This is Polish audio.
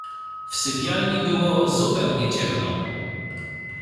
W sypialni było zupełnie ciemno.